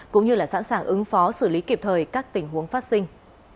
cũng như sẵn sàng ứng phó xử lý kịp thời các tình huống phát sinh